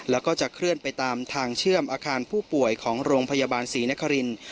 แล้วก็จะเคลื่อนไปตามทางเชื่อมอาคารผู้ป่วยของโรงพยาบาลศรีนครินทร์